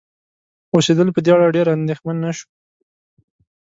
اوسیدل په دې اړه ډېر اندیښمن نشو